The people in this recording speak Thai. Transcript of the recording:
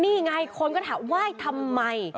นี่ไงคนก็ถามว่าว่ายทำไม